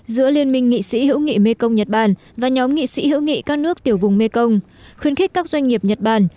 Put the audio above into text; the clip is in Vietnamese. giữa liên minh nghị sĩ hữu nghị mekong nhật bản và nhóm nghị sĩ hữu nghị các nước tiểu vùng mekong khuyến khích các doanh nghiệp nhật bản